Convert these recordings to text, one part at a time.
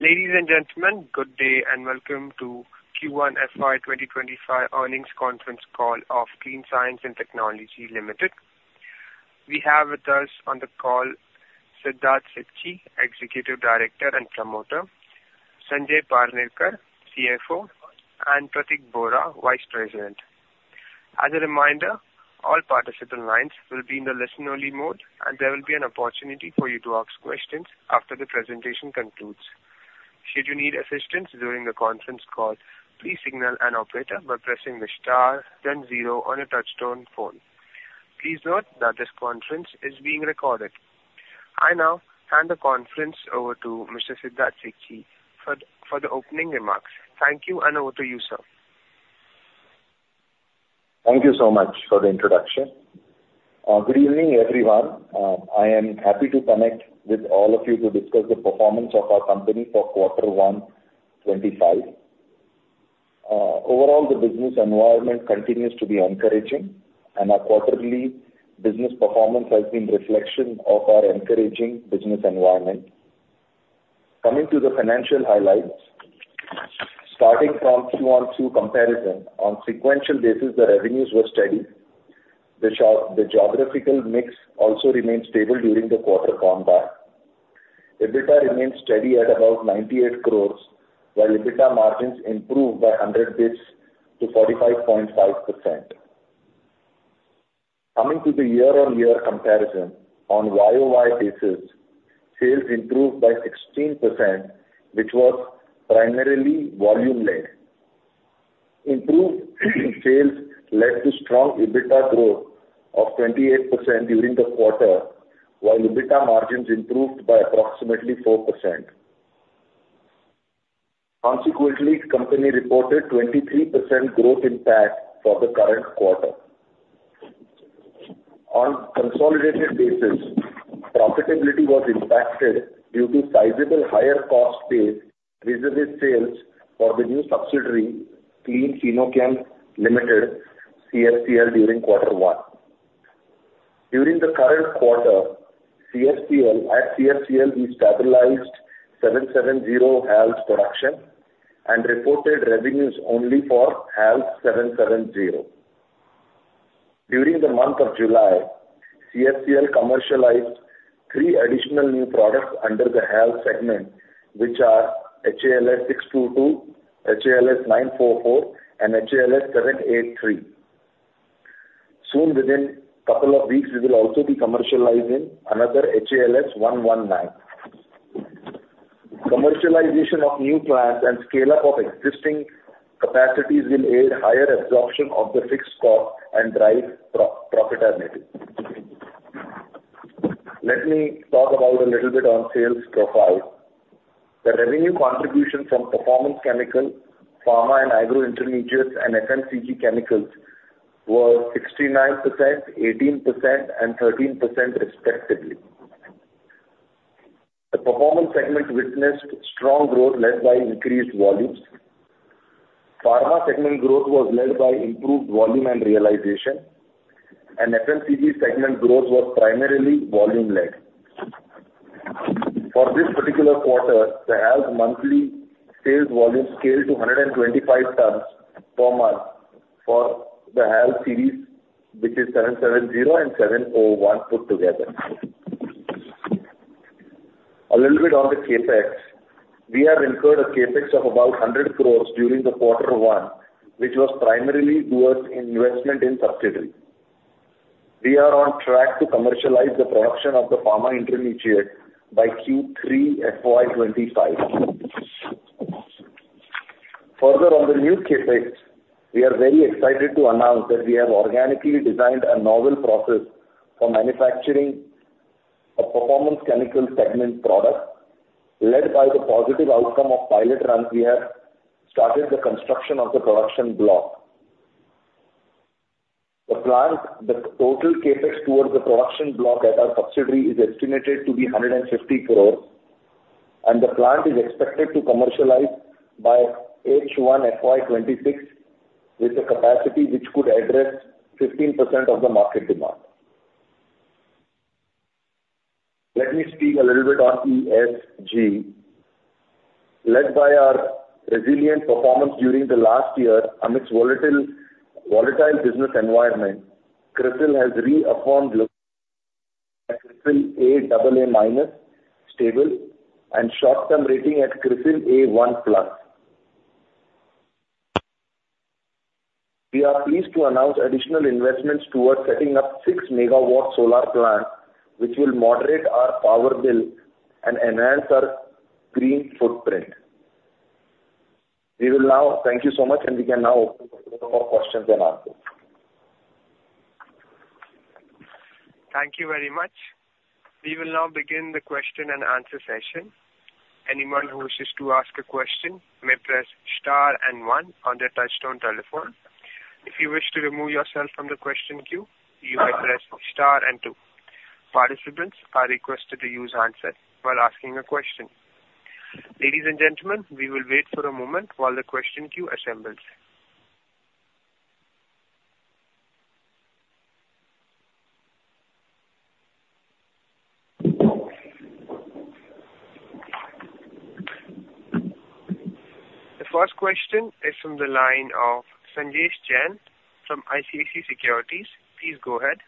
Ladies and gentlemen, good day, and welcome to Q1 FY 2025 earnings conference call of Clean Science and Technology Limited. We have with us on the call, Siddharth Sikchi, Executive Director and Promoter; Sanjay Palnitkar, CFO; and Pratik Bora, Vice President. As a reminder, all participant lines will be in the listen-only mode, and there will be an opportunity for you to ask questions after the presentation concludes. Should you need assistance during the conference call, please signal an operator by pressing the star then zero on your touchtone phone. Please note that this conference is being recorded. I now hand the conference over to Mr. Siddharth Sikchi for the opening remarks. Thank you, and over to you, sir. Thank you so much for the introduction. Good evening, everyone. I am happy to connect with all of you to discuss the performance of our company for quarter 1, 2025. Overall, the business environment continues to be encouraging, and our quarterly business performance has been reflection of our encouraging business environment. Coming to the financial highlights, starting from quarter-on-quarter comparison, on sequential basis, the revenues were steady. The geographical mix also remained stable during the quarter on back. EBITDA remained steady at about 98 crores, while EBITDA margins improved by 100 basis points to 45.5%. Coming to the year-over-year comparison, on year-over-year basis, sales improved by 16%, which was primarily volume-led. Improved sales led to strong EBITDA growth of 28% during the quarter, while EBITDA margins improved by approximately 4%. Consequently, the company reported 23% growth in PAT for the current quarter. On consolidated basis, profitability was impacted due to sizable higher cost base vis-à-vis sales for the new subsidiary, Clean Fino-Chem Limited, CFCL, during quarter one. During the current quarter, CFCL, at CFCL, we stabilized 770 HALS production and reported revenues only for HALS 770. During the month of July, CFCL commercialized 3 additional new products under the HALS segment, which are HALS 622, HALS 944, and HALS 783. Soon, within couple of weeks, we will also be commercializing another HALS 119. Commercialization of new plants and scale-up of existing capacities will aid higher absorption of the fixed cost and drive profitability. Let me talk about a little bit on sales profile. The revenue contribution from Performance Chemicals, Pharma and Agro Intermediates, and FMCG Chemicals were 69%, 18%, and 13% respectively. The Performance segment witnessed strong growth led by increased volumes. Pharma segment growth was led by improved volume and realization, and FMCG segment growth was primarily volume-led. For this particular quarter, the HALS monthly sales volume scaled to 125 tons per month for the HALS series, which is 770 and 701 put together. A little bit on the CapEx. We have incurred a CapEx of about 100 crore during quarter 1, which was primarily towards investment in subsidiary. We are on track to commercialize the production of the pharma intermediate by Q3 FY25. Further, on the new CapEx, we are very excited to announce that we have organically designed a novel process for manufacturing a Performance Chemicals segment product. Led by the positive outcome of pilot run, we have started the construction of the production block. The plant, the total CapEx towards the production block at our subsidiary is estimated to be 150 crore, and the plant is expected to commercialize by H1 FY26, with a capacity which could address 15% of the market demand. Let me speak a little bit on ESG. Led by our resilient performance during the last year amidst volatile business environment, CRISIL has reaffirmed its long-term rating at CRISIL AA- stable and short-term rating at CRISIL A1+. We are pleased to announce additional investments towards setting up 6-megawatt solar plant, which will moderate our power bill and enhance our green footprint. We will now... Thank you so much, and we can now open for questions and answers. Thank you very much. We will now begin the question-and-answer session. Anyone who wishes to ask a question may press star and one on their touchtone telephone. If you wish to remove yourself from the question queue, you may press star and two. Participants are requested to use handset while asking a question. Ladies and gentlemen, we will wait for a moment while the question queue assembles.... The first question is from the line of Sanjesh Jain from ICICI Securities. Please go ahead.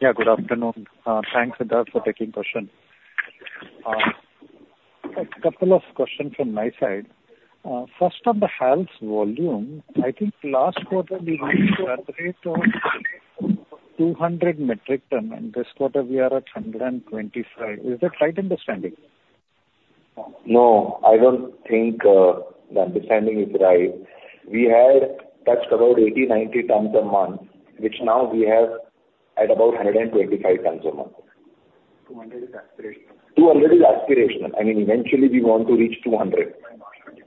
Yeah, good afternoon. Thanks, Siddharth, for taking question. A couple of questions from my side. First on the HALS volume, I think last quarter we used to operate on 200 metric ton, and this quarter we are at 125. Is that right understanding? No, I don't think, the understanding is right. We had touched about 80-90 tons a month, which now we have at about 125 tons a month. 200 is aspirational. 200 is aspirational. I mean, eventually, we want to reach 200 by March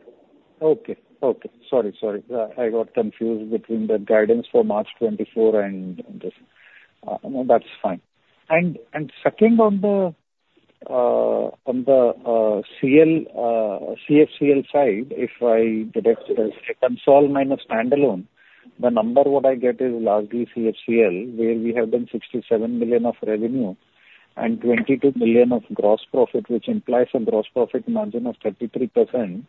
2024. Okay. Okay. Sorry, sorry. I got confused between the guidance for March 2024 and this. No, that's fine. And second, on the CFCL side, if I deduct the consolidated minus standalone, the number what I get is largely CFCL, where we have been 67 million of revenue and 22 million of gross profit, which implies a gross profit margin of 33%.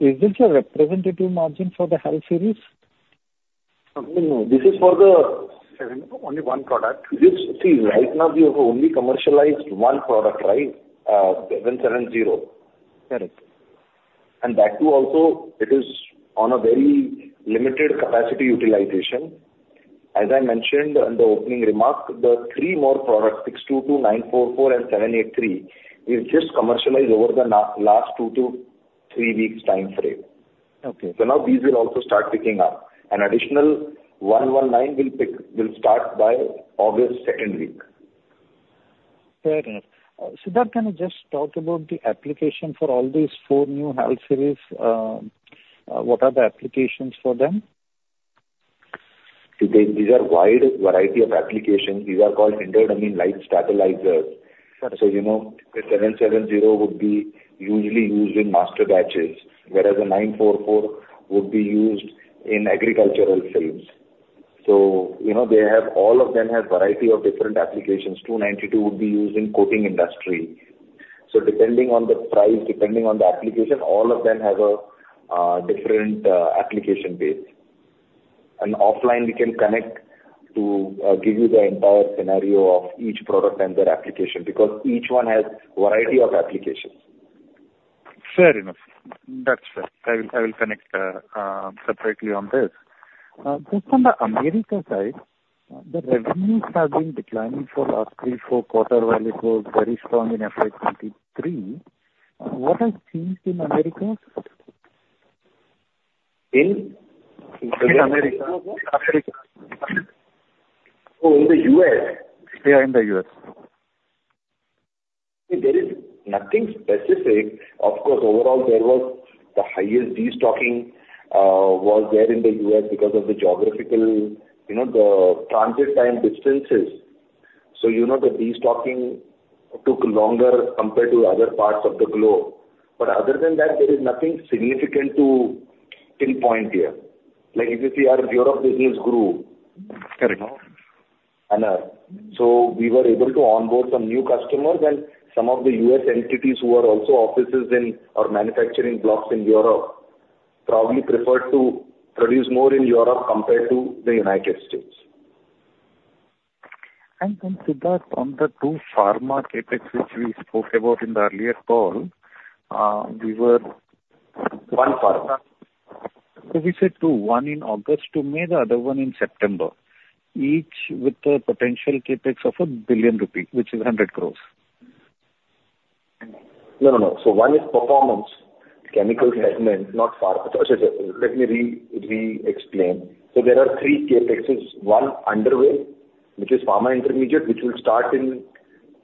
Is this a representative margin for the HALS series? No, this is for the- 7, only one product. This, see, right now, we have only commercialized one product, right? 770. Correct. That, too, also, it is on a very limited capacity utilization. As I mentioned in the opening remark, the three more products, 622, 944, and 783, is just commercialized over the last 2 to 3 weeks time frame. Okay. Now these will also start picking up. An additional 119 will pick, will start by August second week. Fair enough. Siddharth, can you just talk about the application for all these four new HALS series, what are the applications for them? These are wide variety of applications. These are called Hindered Amine Light Stabilizers. Got it. So, you know, the 770 would be usually used in master batches, whereas the 944 would be used in agricultural films. So, you know, they have, all of them have variety of different applications. 292 would be used in coating industry. So depending on the price, depending on the application, all of them have a different application base. And offline, we can connect to give you the entire scenario of each product and their application, because each one has variety of applications. Fair enough. That's fair. I will, I will connect separately on this. Just on the America side, the revenues have been declining for last 3-4 quarters, while it was very strong in FY 2023. What has changed in America? In? In America. In America. Oh, in the U.S.? Yeah, in the U.S. There is nothing specific. Of course, overall, there was the highest destocking, was there in the U.S. because of the geographical, you know, the transit time distances. So, you know, the destocking took longer compared to other parts of the globe. But other than that, there is nothing significant to pinpoint here. Like if you see our Europe business grew. Fair enough. So we were able to onboard some new customers and some of the U.S. entities who are also offices in or manufacturing blocks in Europe, probably preferred to produce more in Europe compared to the United States. And then, Siddharth, on the two pharma CapEx, which we spoke about in the earlier call, we were- One pharma. We said 2, 1 in August to May, the other 1 in September, each with a potential CapEx of 1 billion rupee, which is 100 crores. No, no, no. So one is Performance Chemicals segment, not pharma. Okay, let me re-explain. So there are three CapExes. One underway, which is pharma intermediate, which will start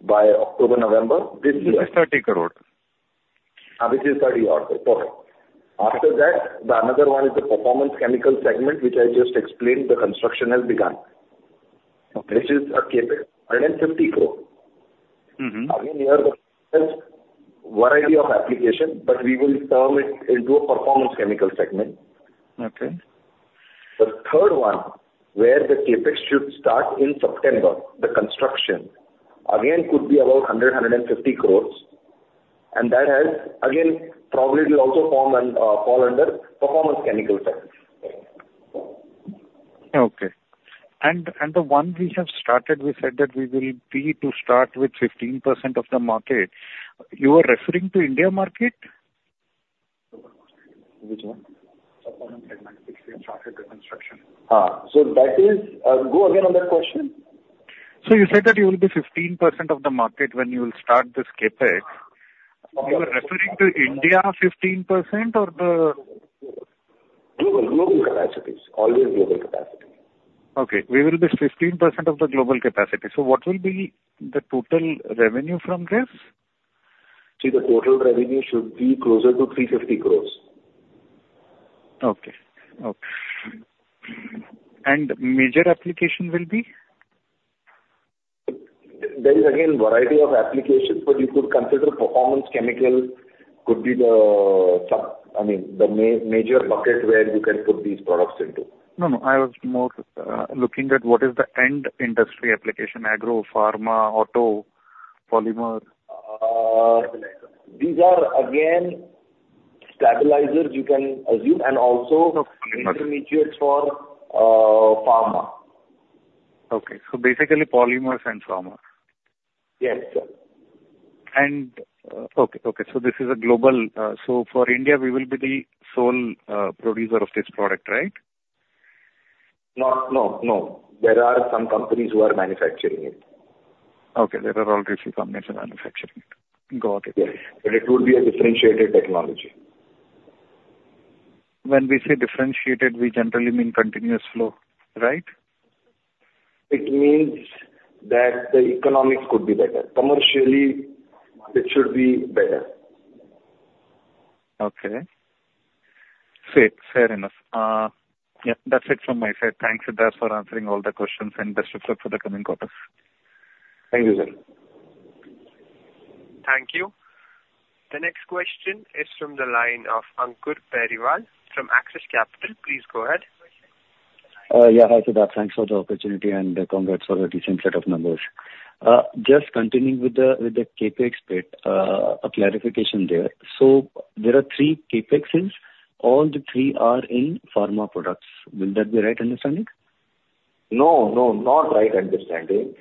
by October, November this year. This is 30 crore. This is 30 crore, correct. After that, the another one is the performance chemical segment, which I just explained, the construction has begun. Okay. Which is a CapEx, 150 crore. Mm-hmm. Again, here, the variety of application, but we will turn it into a performance chemical segment. Okay. The third one, where the CapEx should start in September, the construction, again, could be about 100 crore-150 crore, and that has, again, probably it will also form and fall under Performance Chemicals segment. Okay. And the one we have started, we said that we will be to start with 15% of the market. You are referring to India market? Which one? Performance segment, which we have started the construction. So that is. Go again on that question. So you said that you will be 15% of the market when you will start this CapEx. You are referring to India, 15%, or the- Global, global capacities. Always global capacity. Okay, we will be 15% of the global capacity. What will be the total revenue from this? See, the total revenue should be closer to 350 crore. Okay. Okay. Major application will be? There is, again, variety of applications, but you could consider performance chemicals could be the sub, I mean, the major bucket where you can put these products into. No, no, I was more looking at what is the end industry application: agro, pharma, auto, polymer, stabilizer. These are again stabilizers, you can assume, and also. Okay, polymer. intermediates for pharma. Okay. So basically polymers and pharma. Yes, sir. Okay, okay, so this is a global, so for India, we will be the sole producer of this product, right? No, no, no. There are some companies who are manufacturing it. Okay. There are already some companies manufacturing it. Got it. Yes. But it would be a differentiated technology. When we say differentiated, we generally mean continuous flow, right? It means that the economics could be better. Commercially, it should be better. Okay. Fair, fair enough. Yeah, that's it from my side. Thanks, Siddharth, for answering all the questions, and best of luck for the coming quarters. Thank you, sir. Thank you. The next question is from the line of Ankur Periwal from Axis Capital. Please go ahead. Yeah. Hi, Siddharth. Thanks for the opportunity and congrats for the decent set of numbers. Just continuing with the CapEx bit, a clarification there. So there are three CapExes. All the three are in pharma products. Will that be right understanding? No, no, not right understanding,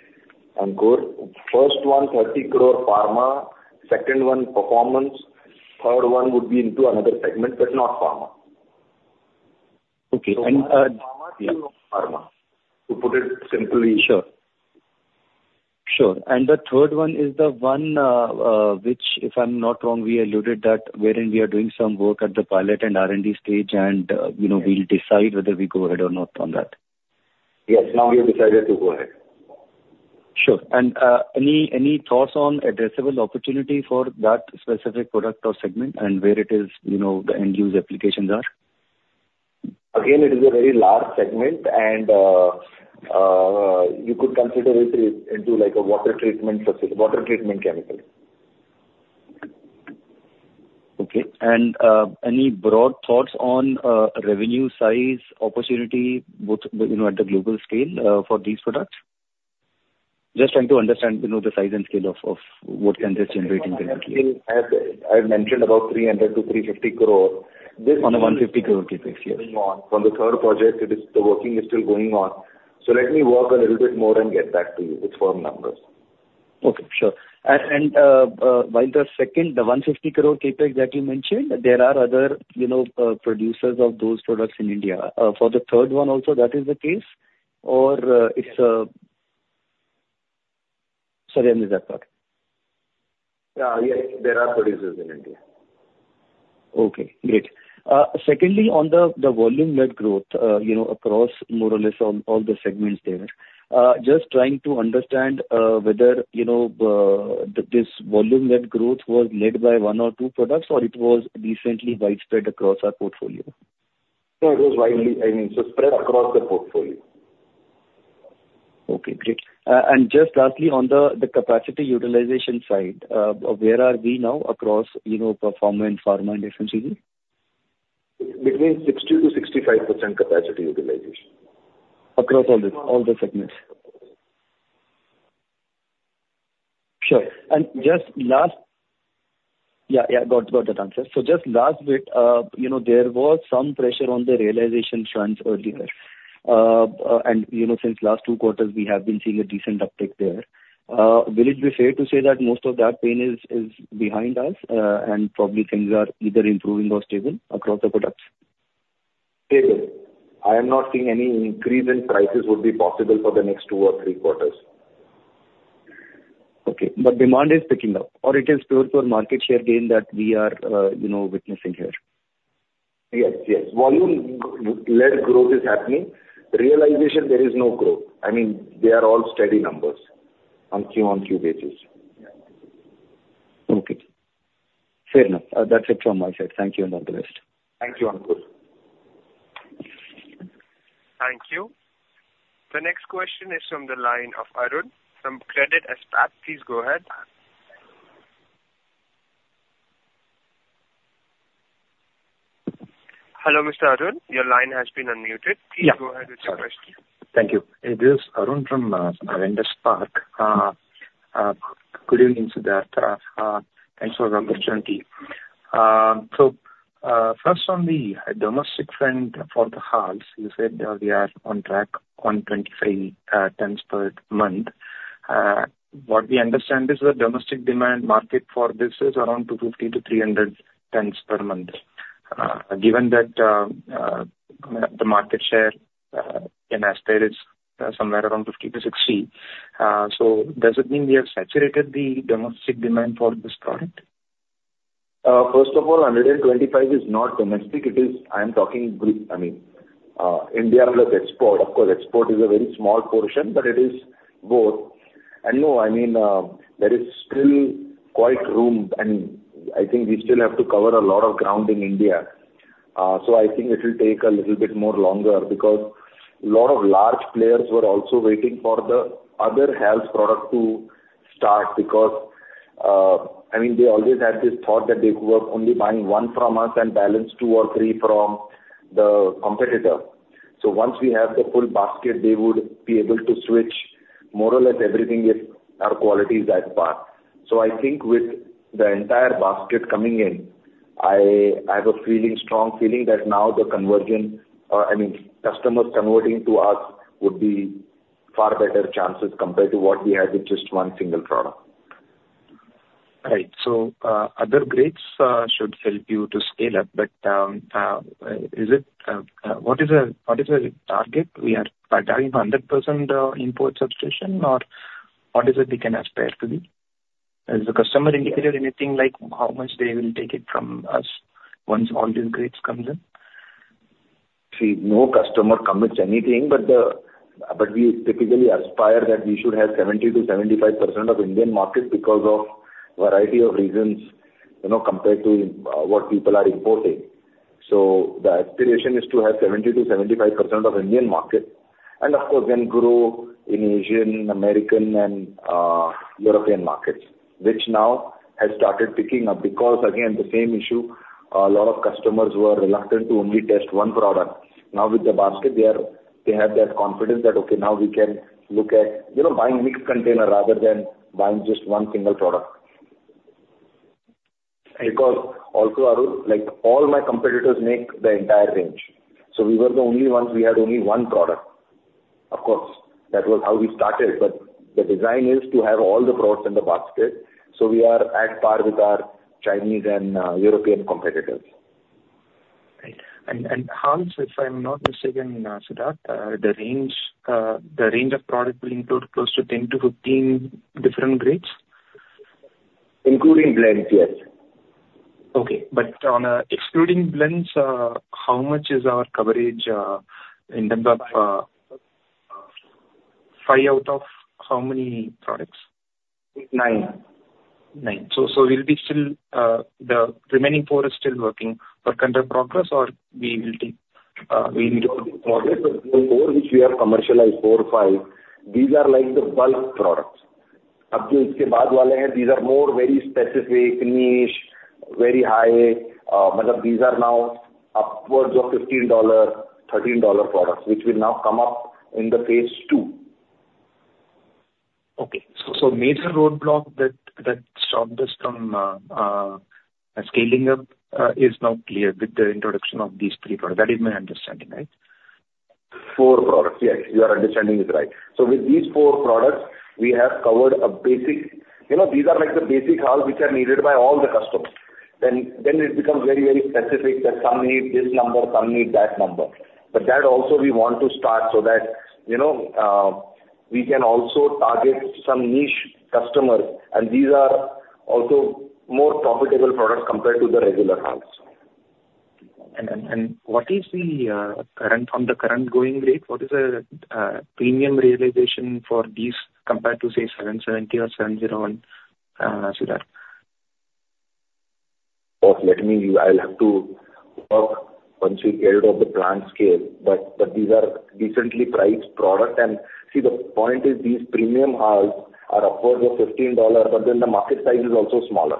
Ankur. First one, 30 crore pharma, second one, performance, third one would be into another segment, but not pharma. Okay, and- Pharma to pharma, to put it simply. Sure. Sure, and the third one is the one, which, if I'm not wrong, we alluded that wherein we are doing some work at the pilot and R&D stage, and, you know, we'll decide whether we go ahead or not on that. Yes. Now we have decided to go ahead. Sure. And any thoughts on addressable opportunity for that specific product or segment and where it is, you know, the end use applications are? Again, it is a very large segment, and you could consider it into like a water treatment chemical. Okay. And, any broad thoughts on, revenue size opportunity, both, you know, at the global scale, for these products? Just trying to understand, you know, the size and scale of what can get generated there. I have mentioned about 300 crore-350 crore. On the 150 crore CapEx, yes. Going on. From the third project, it is, the working is still going on. So let me work a little bit more and get back to you with firm numbers. Okay, sure. While the second, the 150 crore CapEx that you mentioned, there are other, you know, producers of those products in India. For the third one also, that is the case or, it's... Sorry, I missed that part. Yes, there are producers in India. Okay, great. Secondly, on the volume-led growth, you know, across more or less on all the segments there, just trying to understand whether, you know, this volume-led growth was led by one or two products, or it was decently widespread across our portfolio? No, it was widely, I mean, so spread across the portfolio. Okay, great. And just lastly, on the capacity utilization side, where are we now across, you know, performance and pharma and FMCG? Between 60%-65% capacity utilization. Across all the segments? Sure. And just last... Yeah, got that answer. So just last bit, you know, there was some pressure on the realization trends earlier. And, you know, since last two quarters, we have been seeing a decent uptick there. Will it be fair to say that most of that pain is behind us, and probably things are either improving or stable across the products? Stable. I am not seeing any increase in prices would be possible for the next 2 or 3 quarters. Okay, but demand is picking up, or it is pure, pure market share gain that we are, you know, witnessing here? Yes, yes. Volume-led growth is happening. Realization, there is no growth. I mean, they are all steady numbers on Q-on-Q basis. Okay. Fair enough. That's it from my side. Thank you, and all the best. Thank you, Ankur. Thank you. The next question is from the line of Arun, from Avendus Spark. Please go ahead. Hello, Mr. Arun. Your line has been unmuted. Yeah. Please go ahead with your question. Thank you. It is Arun from Avendus Spark. Good evening, Siddharth. Thanks for the opportunity. So, first on the domestic front for the HALS, you said we are on track on 25 tons per month. What we understand is the domestic demand market for this is around 250-300 tons per month. Given that, the market share in India is somewhere around 50-60, so does it mean we have saturated the domestic demand for this product? First of all, 125 is not domestic. It is, in brief, I mean, India plus export. Of course, export is a very small portion, but it is both. And no, I mean, there is still quite room, and I think we still have to cover a lot of ground in India. So I think it will take a little bit more longer, because a lot of large players were also waiting for the other HALS product to start. Because, I mean, they always had this thought that they were only buying one from us and balance two or three from the competitor. So once we have the full basket, they would be able to switch more or less everything if our quality is at par. So I think with the entire basket coming in, I, I have a feeling, strong feeling, that now the conversion, or, I mean, customers converting to us would be far better chances compared to what we had with just one single product. Right. So, other grades should help you to scale up, but, is it, what is the, what is the target? We are targeting 100%, import substitution, or what is it we can aspire to be? Has the customer indicated anything like how much they will take it from us once all these grades comes in? See, no customer commits anything, but we typically aspire that we should have 70%-75% of Indian market because of variety of reasons, you know, compared to what people are importing. So the aspiration is to have 70%-75% of Indian market, and of course, then grow in Asian, American, and European markets, which now has started picking up. Because, again, the same issue, a lot of customers were reluctant to only test one product. Now, with the basket, they have that confidence that, okay, now we can look at, you know, buying mixed container rather than buying just one single product. Because also, Arun, like, all my competitors make the entire range, so we were the only ones, we had only one product. Of course, that was how we started, but the design is to have all the products in the basket, so we are at par with our Chinese and European competitors. Right. And HALS, if I'm not mistaken, Siddharth, the range of product will include close to 10-15 different grades? Including blends, yes. Okay, but excluding blends, how much is our coverage in terms of five out of how many products? Nine. 9. So, so we'll be still, the remaining 4 is still working, but under progress, or we will take, we will- 4, which we have commercialized, 4, 5, these are like the bulk products. These are more very specific niche, very high, but these are now upwards of $15, $13 products, which will now come up in the phase two. Okay. So major roadblock that stopped us from scaling up is now clear with the introduction of these three products. That is my understanding, right? Four products. Yes, your understanding is right. So with these four products, we have covered a basic... You know, these are like the basic HALS which are needed by all the customers. Then it becomes very, very specific, that some need this number, some need that number. But that also we want to start so that, you know, we can also target some niche customers, and these are also more profitable products compared to the regular HALS. What is the current going rate? What is the premium realization for these compared to, say, 770 or 701, Siddharth? I'll have to work once we get out of the plant scale. But these are decently priced product. And see, the point is these premium HALS are upwards of $15, but then the market size is also smaller.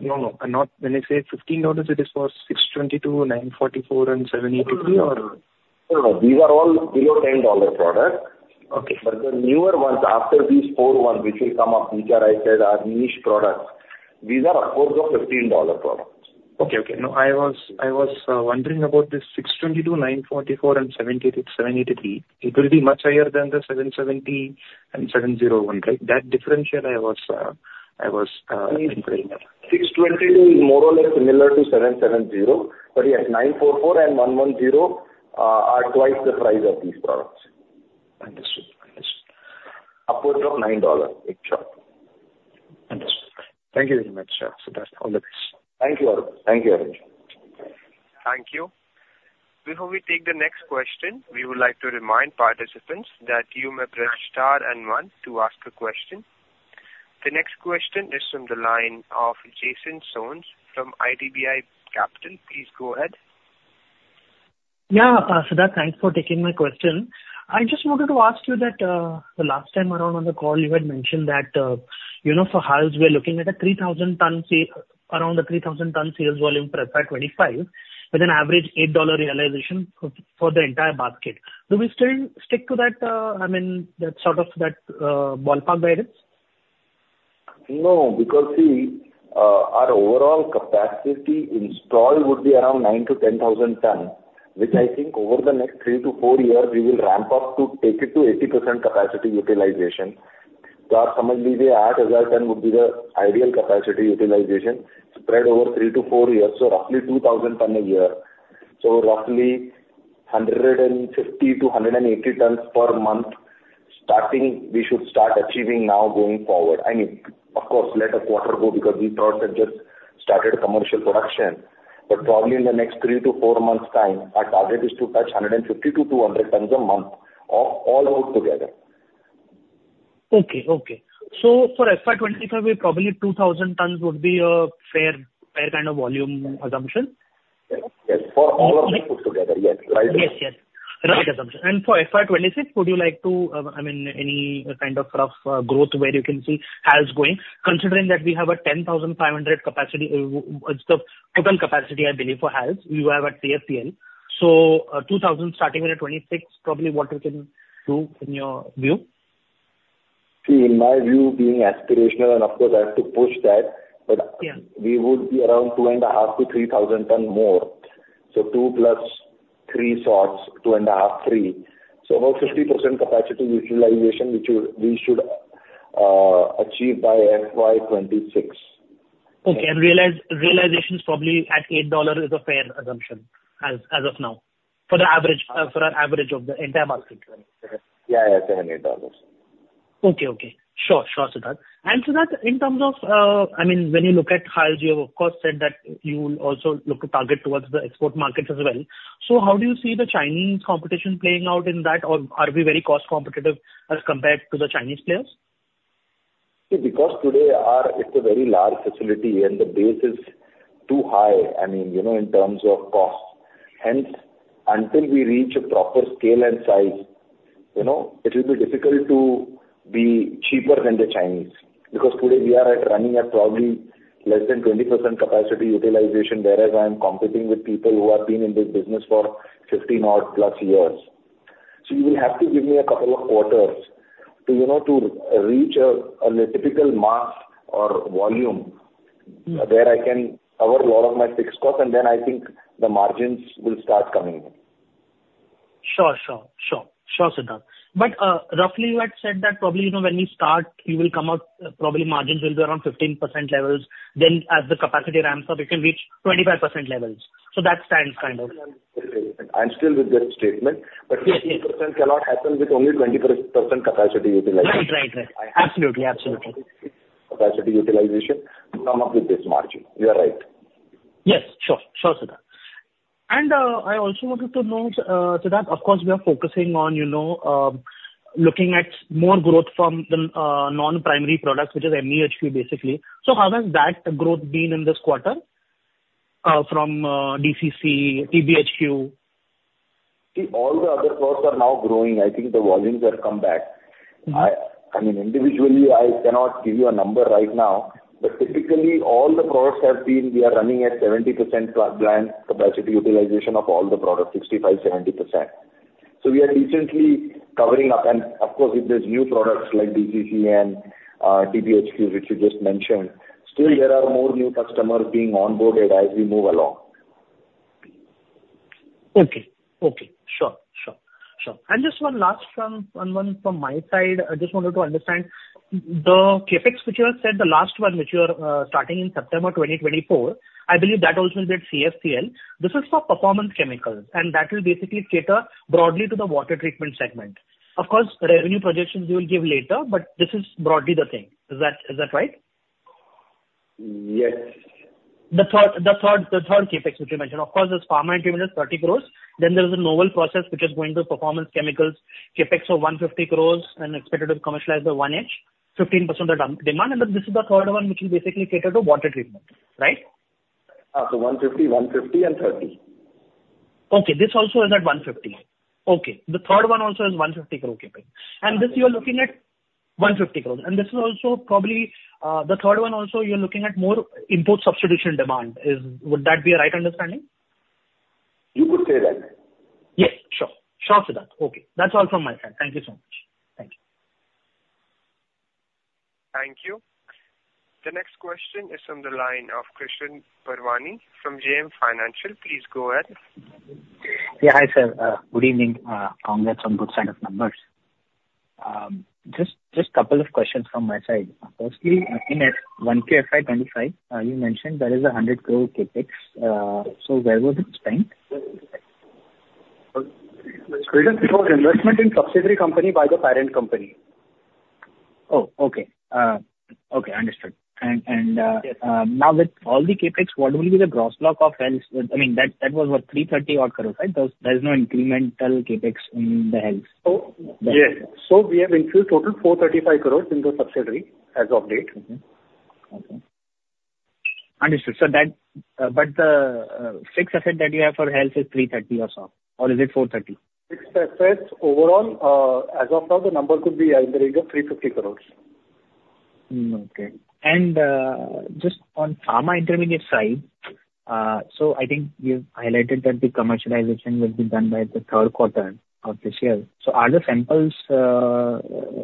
No, no. Not when you say $15, it is for 622, 944, and 783, or? No, no. These are all below $10 products. Okay. But the newer ones, after these four ones which will come up, which I said are niche products, these are upwards of $15 products. Okay, okay. No, I was wondering about this 622, 944, and 783. It will be much higher than the 770 and 701, right? That differential I was inquiring about. 622 is more or less similar to 770. But yes, 944 and 119 are twice the price of these products. Understood. Understood. Upwards of $9 each. Understood. Thank you very much, Siddharth. All the best. Thank you, Arun. Thank you, Arun. Thank you. Before we take the next question, we would like to remind participants that you may press star and one to ask a question. The next question is from the line of Jason Soans from IDBI Capital. Please go ahead. Yeah, Siddharth, thanks for taking my question. I just wanted to ask you that, the last time around on the call, you had mentioned that, you know, for HALS, we are looking at a 3,000-ton around the 3,000-ton sales volume for, by 2025, with an average $8 realization for, for the entire basket. Do we still stick to that, I mean, that sort of that, ballpark variance? No, because see, our overall capacity installed would be around 9,000-10,000 tons, which I think over the next 3-4 years, we will ramp up to take it to 80% capacity utilization. So our 8,000 tons would be the ideal capacity utilization spread over 3-4 years, so roughly 2,000 tons a year. So roughly 150-180 tons per month, starting, we should start achieving now going forward. I mean, of course, let a quarter go, because we thought that just started commercial production, but probably in the next 3-4 months' time, our target is to touch 150-200 tons a month of all put together. ... Okay, okay. So for FY 2025, we probably 2,000 tons would be a fair, fair kind of volume assumption? Yes, yes. For all of them put together, yes, right? Yes, yes. Right assumption. And for FY 2026, would you like to, I mean, any kind of rough growth where you can see HALS going, considering that we have a 10,500 capacity, what's the total capacity, I believe, for HALS, you have at CFCL. So, 2,000 starting with the 2026, probably what you can do in your view? See, in my view, being aspirational, and of course I have to push that. Yeah. But we would be around 2.5-3 thousand tons more. So 2 + 3 sort of, 2.5, 3. So about 50% capacity utilization, which would, we should achieve by FY 2026. Okay. Realization's probably at $8 is a fair assumption as of now, for the average, for our average of the entire market? Yeah, yeah, $7-$8. Okay, okay. Sure, sure, Siddharth. And Siddharth, in terms of, I mean, when you look at HALS, you have of course said that you will also look to target towards the export markets as well. So how do you see the Chinese competition playing out in that or are we very cost competitive as compared to the Chinese players? See, because today our, it's a very large facility and the base is too high, I mean, you know, in terms of cost. Hence, until we reach a proper scale and size, you know, it will be difficult to be cheaper than the Chinese. Because today we are at, running at probably less than 20% capacity utilization, whereas I am competing with people who have been in this business for 15 odd plus years. So you will have to give me a couple of quarters to, you know, to reach a, a typical mass or volume- Mm. Where I can cover a lot of my fixed costs, and then I think the margins will start coming in. Sure, sure, sure, sure, Siddharth. But, roughly you had said that probably, you know, when we start, you will come out, probably margins will be around 15% levels, then as the capacity ramps up, it can reach 25% levels. So that stands kind of? I'm still with that statement. Yeah. But 15% cannot happen with only 21% capacity utilization. Right, right, right. Absolutely, absolutely. Capacity utilization to come up with this margin. You are right. Yes, sure. Sure, Siddharth. And, I also wanted to know, Siddharth, of course, we are focusing on, you know, looking at more growth from the non-primary products, which is MEHQ, basically. So how has that growth been in this quarter, from DCC, TBHQ? See, all the other products are now growing. I think the volumes have come back. Mm. I mean, individually, I cannot give you a number right now, but typically all the products have been; we are running at 70% plant capacity utilization of all the products, 65%-70%. So we are recently covering up, and of course, with these new products like DCC and TBHQ, which you just mentioned, still there are more new customers being onboarded as we move along. Okay, okay. Sure, sure, sure. And just one last one from my side. I just wanted to understand the CapEx, which you had said, the last one, which you are starting in September 2024. I believe that also will be at CFCL. This is for performance chemicals, and that will basically cater broadly to the water treatment segment. Of course, revenue projections you will give later, but this is broadly the thing. Is that right? Yes. The third CapEx, which you mentioned. Of course, there's pharma intermediate, 30 crore. Then there is a novel process which is going to performance chemicals, CapEx of 150 crore and expected to commercialize the H1, 15% of demand, and then this is the third one which will basically cater to water treatment, right? 150, 150 and 30. Okay, this also is at 150. Okay. The third one also is 150 crore CapEx. Yeah. This you are looking at 150 crore, and this is also probably the third one also, you're looking at more import substitution demand. Would that be a right understanding? You could say that. Yes, sure. Sure, Siddharth. Okay, that's all from my side. Thank you so much. Thank you. Thank you. The next question is from the line of Krishan Parwani from JM Financial. Please go ahead. Yeah, hi, sir. Good evening. Congrats on good set of numbers. Just a couple of questions from my side. Firstly, in Q1 FY25, you mentioned there is 100 crore CapEx, so where was it spent? It was investment in subsidiary company by the parent company. Oh, okay. Okay, understood. Yes. Now with all the CapEx, what will be the gross block of HALS? I mean, that was what, 330 odd crores, right? There's no incremental CapEx in the HALS. Oh, yes. So we have infused total 435 crore into a subsidiary as of date. Mm-hmm. Okay. Understood. So that, but the fixed asset that you have for HALS is 330 or so, or is it 430? Fixed assets overall, as of now, the number could be in the range of 350 crore. Okay. Just on pharma intermediate side, so I think you've highlighted that the commercialization will be done by the third quarter of this year. So are the samples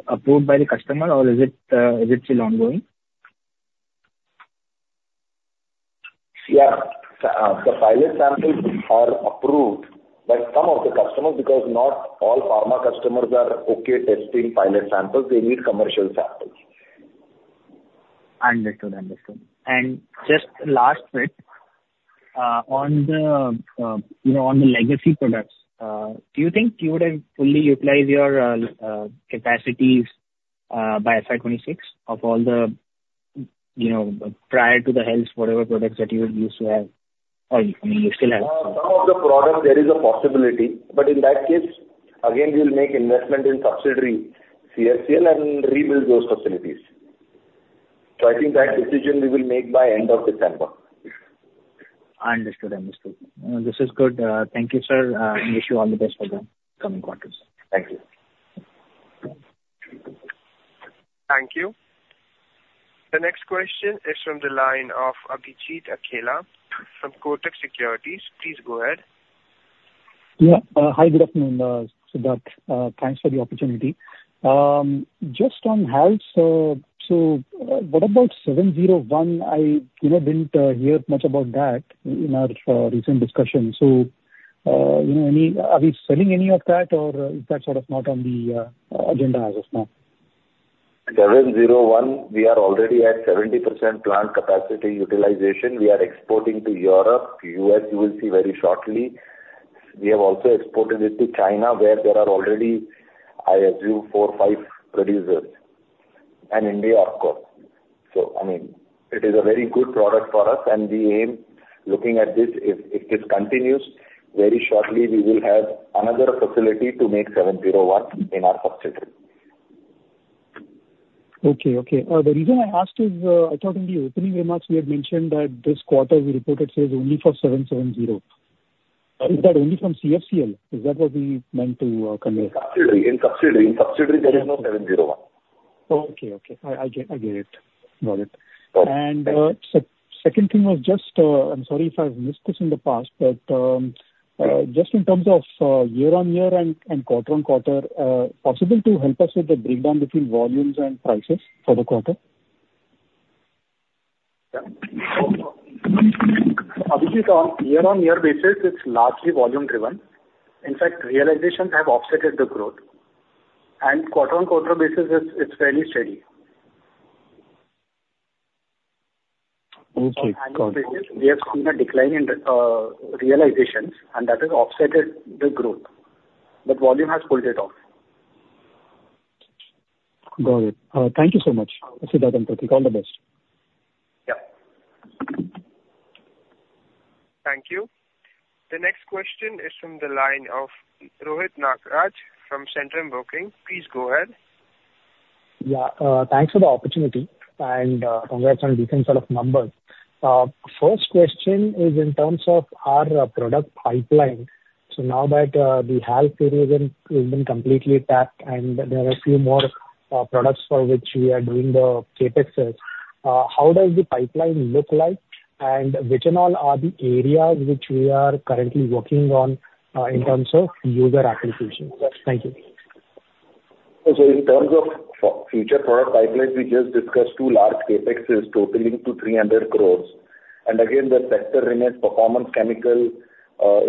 approved by the customer or is it still ongoing? Yeah. The pilot samples are approved, but some of the customers, because not all pharma customers are okay testing pilot samples, they need commercial samples. Understood, understood. And just last bit, on the, you know, on the legacy products, do you think you would have fully utilized your, capacities, by FY26 of all the-... you know, prior to the health, whatever products that you used to have, or you still have? Some of the products, there is a possibility, but in that case, again, we will make investment in subsidiary CFCL and rebuild those facilities. So I think that decision we will make by end of December. Understood. Understood. This is good. Thank you, sir. Wish you all the best for the coming quarters. Thank you. Thank you. The next question is from the line of Abhijit Akella from Kotak Securities. Please go ahead. Yeah. Hi, good afternoon, Siddharth. Thanks for the opportunity. Just on HALS, so what about 701? I, you know, didn't hear much about that in our recent discussion. So, you know, any-- are we selling any of that or is that sort of not on the agenda as of now? 701, we are already at 70% plant capacity utilization. We are exporting to Europe, US, you will see very shortly. We have also exported it to China, where there are already, I assume, 4, 5 producers, and India, of course. So I mean, it is a very good product for us, and we aim, looking at this, if, if this continues, very shortly we will have another facility to make 701 in our subsidiary. Okay. Okay. The reason I asked is, I thought in the opening remarks you had mentioned that this quarter we reported sales only for 770. Is that only from CFCL? Is that what we meant to convey? Subsidiary. In subsidiary, in subsidiary, there is no 701. Okay, okay. I, I get, I get it. Got it. Okay. So second thing was just, I'm sorry if I've missed this in the past, but just in terms of year-over-year and quarter-over-quarter, possible to help us with the breakdown between volumes and prices for the quarter? Yeah. So Abhijit, on year-over-year basis, it's largely volume driven. In fact, realizations have offset the growth, and quarter-over-quarter basis, it's fairly steady. Okay, got it. We have seen a decline in the realizations, and that has offset the growth, but volume has pulled it off. Got it. Thank you so much. Siddharth and Pratik, all the best. Yeah. Thank you. The next question is from the line of Rohit Nagraj from Centrum Broking. Please go ahead. Yeah, thanks for the opportunity, and congrats on decent set of numbers. First question is in terms of our product pipeline. So now that the health area has been completely tapped, and there are a few more products for which we are doing the CapExes, how does the pipeline look like, and which are all the areas which we are currently working on in terms of user applications? Thank you. So in terms of future product pipeline, we just discussed two large CapExes totaling 300 crore. And again, the sector remains performance chemical,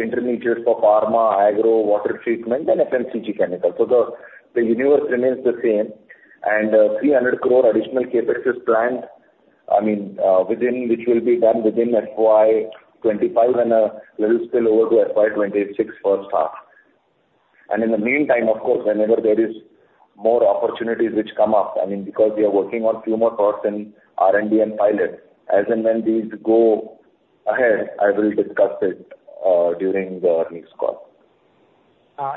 intermediates for pharma, agro, water treatment, and FMCG chemical. So the universe remains the same, and three hundred crore additional CapEx is planned, I mean, within, which will be done within FY 2025 and a little spillover to FY 2026 first half. And in the meantime, of course, whenever there is more opportunities which come up, I mean, because we are working on few more products in R&D and pilot. As and when these go ahead, I will discuss it, during the earnings call.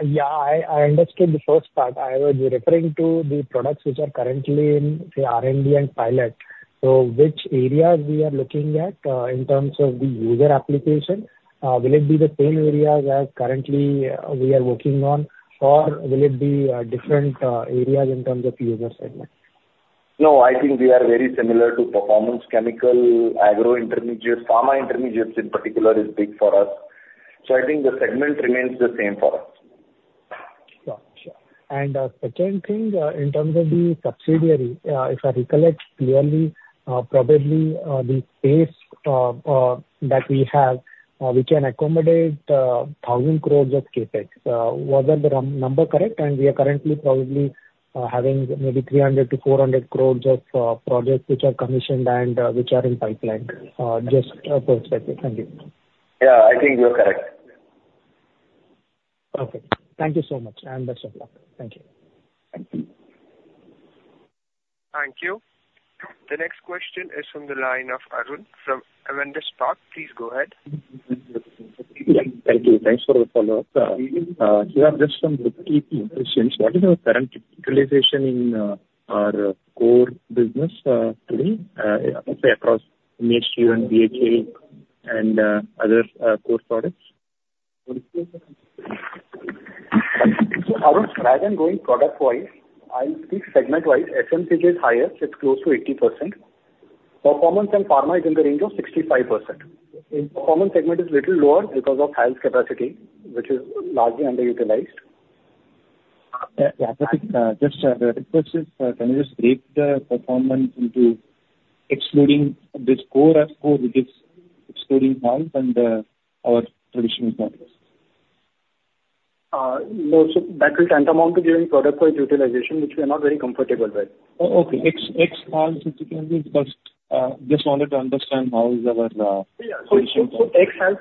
Yeah, I understood the first part. I was referring to the products which are currently in, say, R&D and pilot. So which areas we are looking at, in terms of the user application? Will it be the same areas as currently we are working on, or will it be different areas in terms of user segment? No, I think we are very similar to Performance chemical, Agro Intermediates. Pharma Intermediates in particular is big for us. So I think the segment remains the same for us. Got you. And second thing, in terms of the subsidiary, if I recollect clearly, probably the space that we have we can accommodate 1,000 crores of CapEx. Was that the number correct? And we are currently probably having maybe 300 crores-400 crores of projects which are commissioned and which are in pipeline. Just to confirm. Thank you. Yeah, I think you're correct. Okay. Thank you so much, and best of luck. Thank you. Thank you. Thank you. The next question is from the line of Arun, from Avendus Spark. Please go ahead. Yeah, thank you. Thanks for the follow-up. Yeah, just some questions. What is our current utilization in our core business today, say, across MEHQ and BHA and other core products? Arun, rather than going product-wise, I think segment-wise, FMCG is highest. It's close to 80%. Performance and pharma is in the range of 65%. In performance segment, it's little lower because of HALS capacity, which is largely underutilized. Yeah, yeah. Pratik, just a quick question. Can you just break the performance into excluding this core as core, which is excluding HALS and our traditional partners? No, so that will tantamount to giving product-wise utilization, which we are not very comfortable with. Oh, okay. Ex-health, if you can give, because just wanted to understand how is our Yeah, so ex-HALS,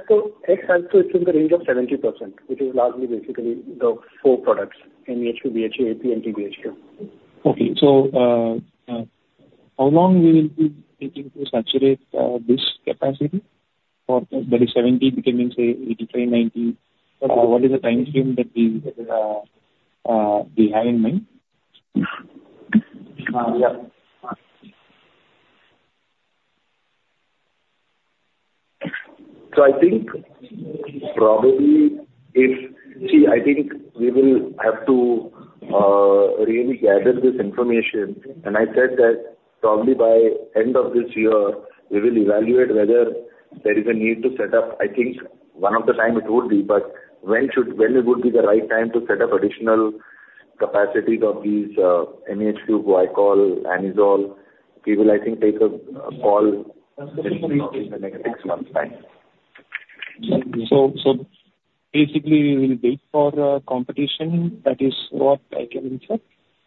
it's in the range of 70%, which is largely basically the four products, MEHQ, BHA, AP and TBHQ. Okay. So, how long will we be taking to saturate this capacity for that is 70, becoming, say, 85-90? What is the time frame that we, that is, behind me? Yeah. So I think probably we will have to really gather this information, and I said that probably by end of this year, we will evaluate whether there is a need to set up. I think one of the time it would be, but when should, when it would be the right time to set up additional capacity of these, MEHQ, Guaiacol, anisole, we will, I think, take a call definitely in the next six months time. So, basically, we will wait for the competition. That is what I can interpret.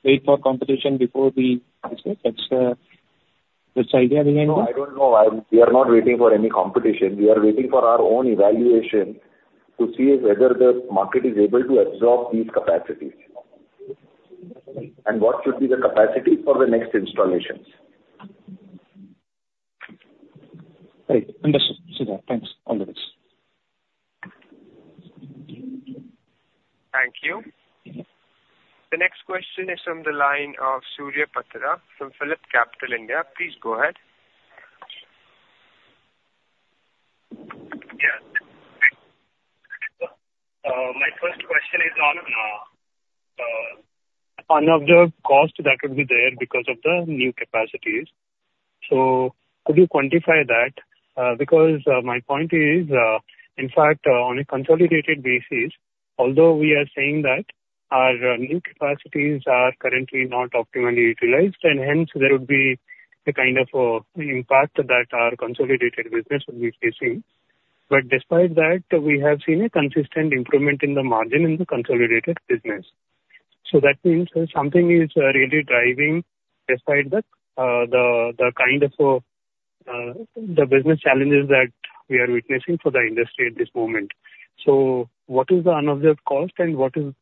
Wait for competition before we. [inaudible] That's, that's the idea behind it? No, I don't know. We are not waiting for any competition. We are waiting for our own evaluation to see whether the market is able to absorb these capacities. What should be the capacity for the next installations. Right. Understood, Siddharth. Thanks, all the best. Thank you. The next question is from the line of Surya Patra from PhillipCapital India. Please go ahead. Yeah. My first question is on unabsorbed cost that would be there because of the new capacities. So could you quantify that? Because my point is, in fact, on a consolidated basis, although we are saying that our new capacities are currently not optimally utilized, and hence there would be a kind of impact that our consolidated business will be facing. But despite that, we have seen a consistent improvement in the margin in the consolidated business. So that means that something is really driving despite the kind of business challenges that we are witnessing for the industry at this moment. So what is the unabsorbed cost, and what is,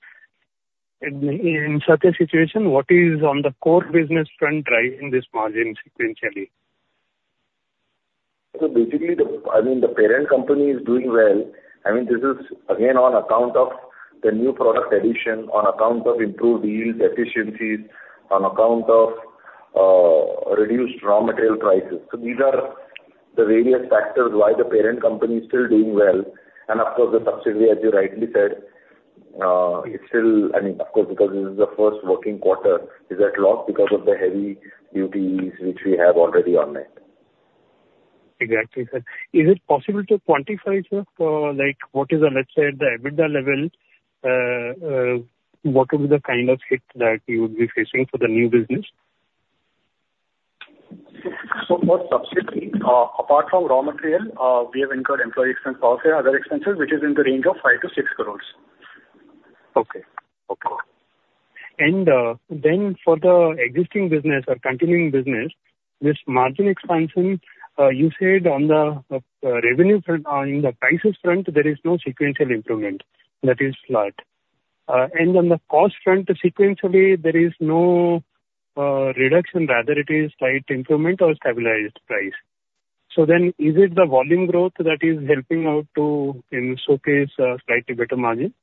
in such a situation, what is on the core business front, driving this margin sequentially? So basically, I mean, the parent company is doing well. I mean, this is again on account of the new product addition, on account of improved yields, efficiencies, on account of reduced raw material prices. So these are the various factors why the parent company is still doing well. And of course, the subsidiary, as you rightly said, is still, I mean, of course, because this is the first working quarter, is at loss because of the heavy duties which we have already earned it. Exactly, sir. Is it possible to quantify, sir, for like, what is the, let's say, the EBITDA level, what is the kind of hit that you would be facing for the new business? For subsidiary, apart from raw material, we have incurred employee expense, power, other expenses, which is in the range of 5-6 crore. Okay. Okay. And then for the existing business or continuing business, this margin expansion, you said on the revenue front, in the prices front, there is no sequential improvement, that is flat. And on the cost front, sequentially, there is no reduction, rather it is slight improvement or stabilized price. So then, is it the volume growth that is helping out to showcase slightly better margin?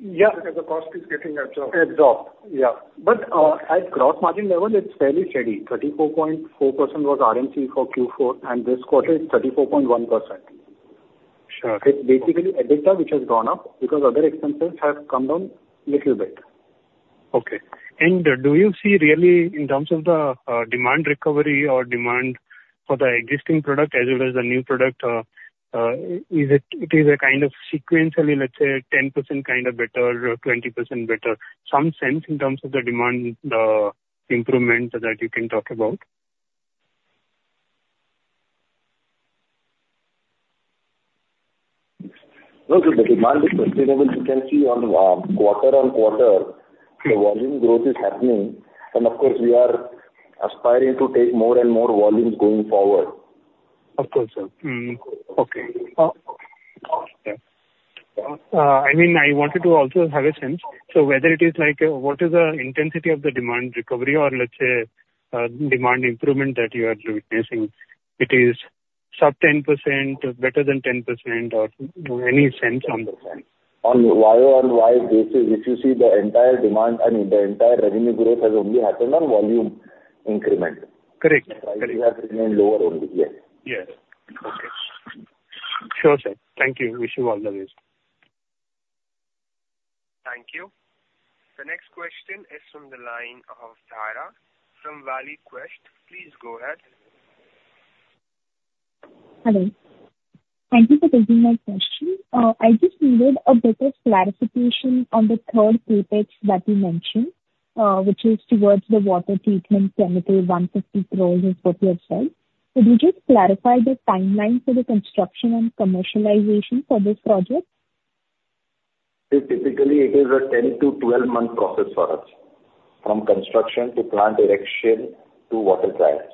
Yeah. Because the cost is getting absorbed. Absorbed, yeah. But, at gross margin level, it's fairly steady. 34.4% was RMC for Q4, and this quarter is 34.1%. Sure. It's basically EBITDA, which has gone up because other expenses have come down little bit. Okay. And do you see really, in terms of the, demand recovery or demand for the existing product as well as the new product, is it, it is a kind of sequentially, let's say, 10% kind of better or 20% better, some sense in terms of the demand, improvement that you can talk about? No, so the demand is sustainable. You can see on quarter-on-quarter, the volume growth is happening, and of course, we are aspiring to take more and more volumes going forward. Of course, sir. Mm, okay. I mean, I wanted to also have a sense, so whether it is like a, what is the intensity of the demand recovery or let's say, demand improvement that you are witnessing? It is sub 10%, better than 10%, or any sense on that end. On year-over-year basis, if you see the entire demand, I mean, the entire revenue growth has only happened on volume increment. Correct. Prices have remained lower only. Yes. Yes. Okay. Sure, sir. Thank you. Wish you all the best. Thank you. The next question is from the line of Tarang from ValueQuest. Please go ahead. Hello. Thank you for taking my question. I just needed a better clarification on the third CapEx that you mentioned, which is towards the water treatment chemical, 150 crore, as what you have said. Could you just clarify the timeline for the construction and commercialization for this project? Typically, it is a 10- to 12-month process for us, from construction to plant erection to water trials.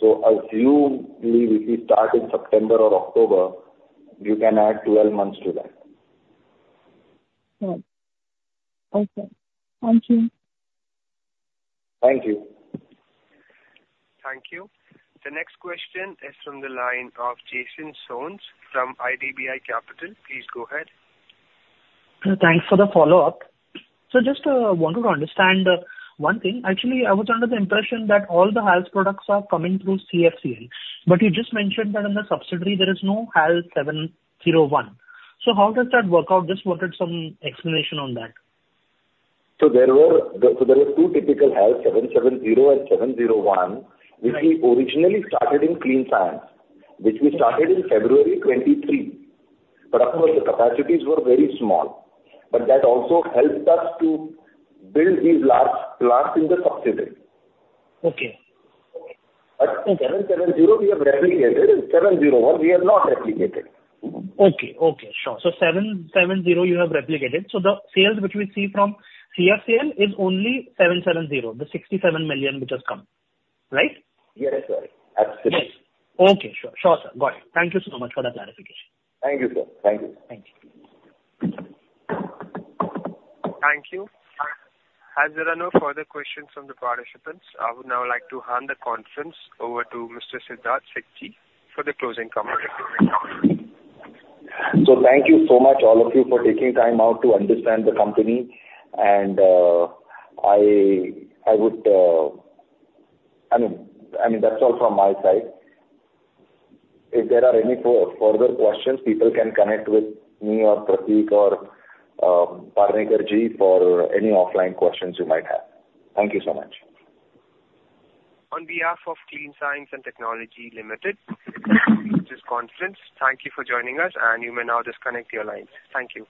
So assuming we start in September or October, you can add 12 months to that.... Yeah. Okay, thank you. Thank you. Thank you. The next question is from the line of Jason Soans from IDBI Capital. Please go ahead. Thanks for the follow-up. So just wanted to understand one thing. Actually, I was under the impression that all the HALS products are coming through CFCL, but you just mentioned that in the subsidiary there is no HALS 701. So how does that work out? Just wanted some explanation on that. So there were two typical HALS 770 and 701, which we originally started in Clean Science, which we started in February 2023. But of course, the capacities were very small, but that also helped us to build these large plants in the subsidiary. Okay. But 770, we have replicated, and 701, we have not replicated. Okay, okay. Sure. So 770, you have replicated. So the sales which we see from CFCL is only 770, the 67 million which has come, right? Yes, sir. That's it. Okay, sure. Sure, sir. Got it. Thank you so much for that clarification. Thank you, sir. Thank you. Thank you. Thank you. As there are no further questions from the participants, I would now like to hand the conference over to Mr. Siddharth Sikchi for the closing comments. So thank you so much all of you for taking time out to understand the company. And, I would... I mean, that's all from my side. If there are any further questions, people can connect with me or Pratik or Palnitkar Ji for any offline questions you might have. Thank you so much. On behalf of Clean Science and Technology Limited, this conference, thank you for joining us, and you may now disconnect your lines. Thank you.